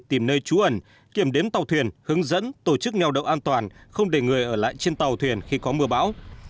tìm nơi trú ẩn kiểm đếm tàu thuyền hướng dẫn tổ chức nèo đậu an toàn không để người ở lại trên tàu thuyền khi có mưa bão